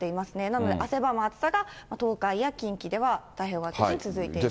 なので汗ばむ暑さが、東海や近畿では太平洋側で続いている。